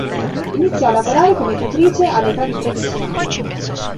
Iniziò a lavorare come tutrice all'età di tredici anni.